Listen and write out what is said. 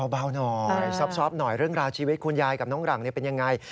เบาหน่อยซอบหน่อยเรื่องราวชีวิตคุณยายกับน้องหลังเป็นยังไง